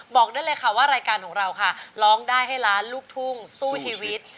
บอกได้เลยค่ะว่ารายการของเราค่ะร้องได้ให้ล้านลูกทุ่งสู้ชีวิต